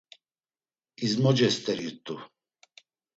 İzmoce steri rt̆u.